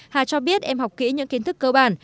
hà cho biết em học kỹ những kiến thức cơ bản